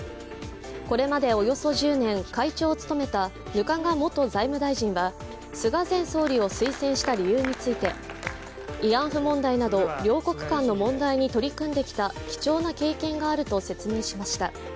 これまでおよそ１０年、会長を務めた額賀元財務大臣は菅前総理を推薦した理由について、慰安婦問題など両国間の問題に取り組んできた貴重な経験があると説明しました。